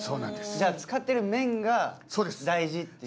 じゃあ使ってる麺が大事っていう。